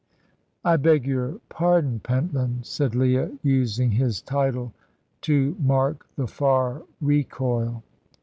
"I beg your pardon, Pentland," said Leah, using his title to mark the far recoil.